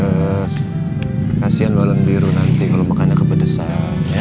yes kasihan balon biru nanti kalo makannya kepedesan ya